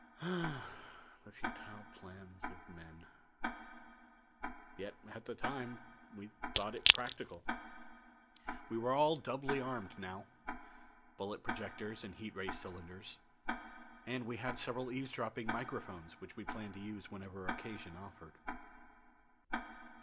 Ah, the futile plans of men! Yet, at the time, we thought it practical. We were all doubly armed now. Bullet projectors and heat ray cylinders. And we had several eavesdropping microphones which we planned to use whenever occasion offered.